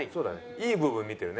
いい部分見てるね。